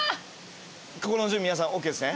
心の準備皆さんＯＫですね。